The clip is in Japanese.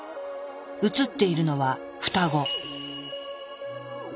映っているのは「双子」。